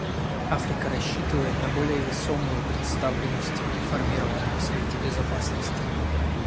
Африка рассчитывает на более весомую представленность в реформированном Совете Безопасности.